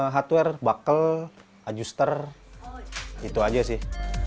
hardware buckle adjuster itu aja sih